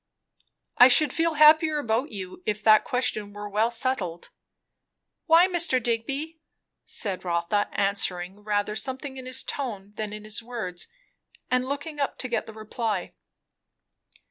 "I should feel happier about you, if that question were well settled." "Why, Mr. Digby?" said Rotha, answering rather something in his tone than in his words, and looking up to get the reply.